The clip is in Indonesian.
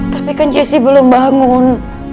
tapi kan jessi belum bangun